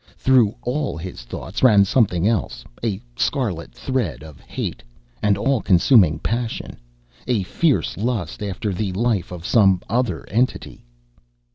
Through all his thoughts ran something else, a scarlet thread of hate, an all consuming passion, a fierce lust after the life of some other entity.